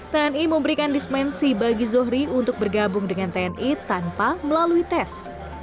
tni memberikan dismensi bagi zohri untuk bergabung dengan tni tanpa melalui tes